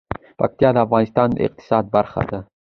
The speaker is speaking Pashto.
پکتیکا د افغانستان د اقتصاد برخه ده.